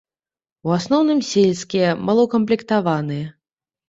У асноўным сельскія, малаўкамплектаваныя.